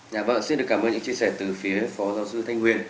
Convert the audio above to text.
nhà vợ xin được cảm ơn những chia sẻ từ phía phó giáo sư thanh nguyên